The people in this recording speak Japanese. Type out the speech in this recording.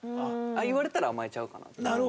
ああ言われたら甘えちゃうかなっていう。